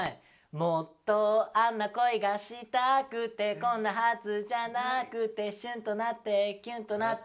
「もっとあんな恋がしたくてこんなはずじゃなくて」「シュンとなってキュンとなって」